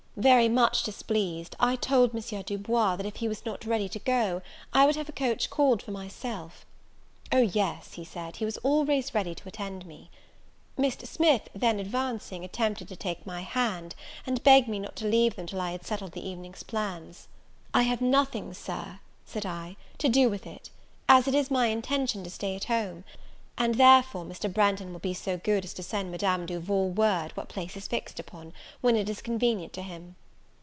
Very much displeased, I told M. Du Bois that if he was not ready to go, I would have a coach called for myself. O yes, he said, he was always ready to attend me. Mr. Smith then, advancing, attempted to take my hand, and begged me not to leave them till I had settled the evening's plans. "I have nothing, Sir," said I, "to do with it, as it is my intention to stay at home; and therefore Mr. Branghton will be so good as to send Madame Duval word what place is fixed upon, when it is convenient to him."